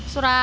surat apa tuh